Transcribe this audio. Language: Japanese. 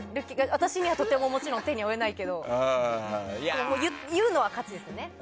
私にはとてももちろん手におえないけど言うのは勝手ですね。